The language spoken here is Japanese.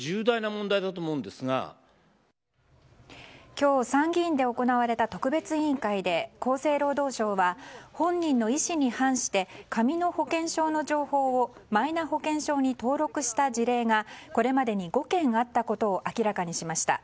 今日、参議院で行われた特別委員会で厚生労働省は本人の意思に反して紙の保険証の情報をマイナ保険証に登録した事例がこれまでに５件あったことを明らかにしました。